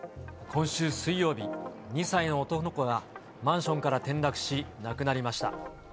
今週水曜日、２歳の男の子がマンションから転落し、亡くなりました。